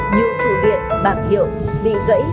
những chủ liệt bảng hiệu bị gãy